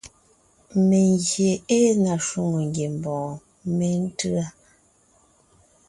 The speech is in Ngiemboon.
Mengyè ée na shwòŋo ngiembɔɔn méntʉ̂a.